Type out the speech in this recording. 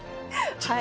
はい。